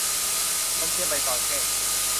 ขนมเทียนใบตองแห้ง